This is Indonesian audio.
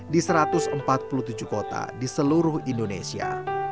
di satu ratus empat puluh tujuh kota di seluruh indonesia